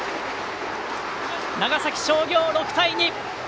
長崎商業、６対２